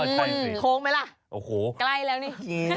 อ๋อใช่สิโค้งไหมล่ะโอ้โหใกล้แล้วนี่